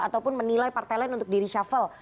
ataupun menilai partai lain untuk di reshuffle